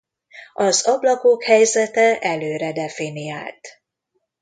Az ablakok helyzete előre definiált.